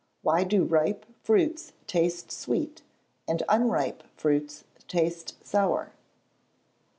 _Why do ripe fruits taste sweet, and unripe fruits taste sour?